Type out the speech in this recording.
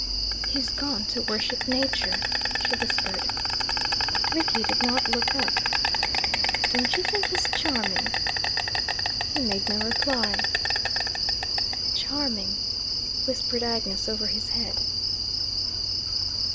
"He's gone to worship Nature," she whispered. Rickie did not look up. "Don't you think he's charming?" He made no reply. "Charming," whispered Agnes over his head.